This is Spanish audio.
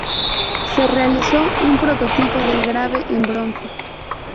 Se realizó un prototipo del grave en bronce.